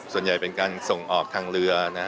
ส่วนใหญ่เป็นการส่งออกทางเรือนะ